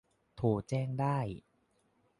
โทรแจ้งได้